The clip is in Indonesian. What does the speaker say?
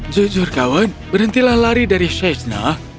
jujur kawan berhentilah lari dari shazna